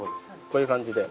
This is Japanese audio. こういう感じで。